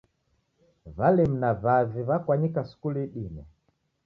W'alimu na w'avi w'akwanyika skulu idime